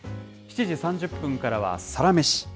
７時３０分からはサラメシ。